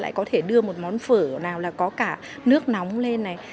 lại có thể đưa một món phở nào là có cả nước nóng lên này